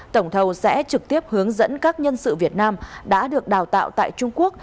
tổng thầu sẽ trực tiếp hướng dẫn các nhân sự việt nam đã được đào tạo tại trung quốc